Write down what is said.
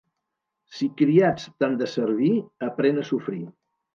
Si criats t'han de servir, aprèn a sofrir.